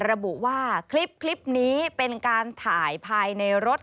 ระบุว่าคลิปนี้เป็นการถ่ายภายในรถ